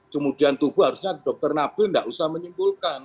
kemudian tubuh harusnya dokter nabil tidak usah menyimpulkan